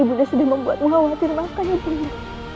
ibu nda sudah membuatmu khawatir maafkan ibu nda